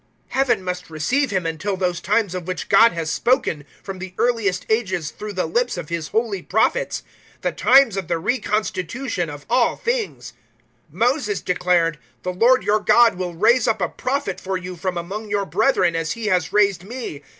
003:021 Heaven must receive Him until those times of which God has spoken from the earliest ages through the lips of His holy Prophets the times of the reconstitution of all things. 003:022 Moses declared, "`The Lord your God will raise up a Prophet for you from among your brethren as He has raised me.